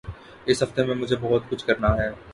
اس ہفتے میں مجھے بہت کچھ کرنا ہے۔